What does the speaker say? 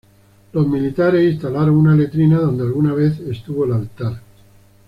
Los militares instalaron una letrina donde alguna vez estuvo el altar.